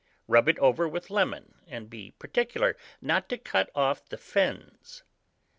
Rub it over with lemon, and be particular not to cut off the fins.